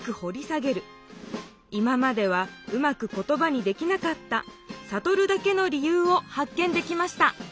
今まではうまく言ばにできなかったサトルだけの理由を発見できました